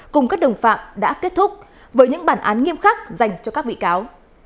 cùng các đồng phạm đã kết thúc với những bản án nghiêm khắc dành cho các bị cáo